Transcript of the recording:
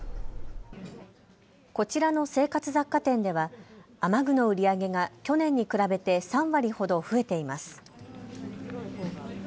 こちらの生活雑貨店では雨具の売り上げが去年に比べて３割ほど増えています。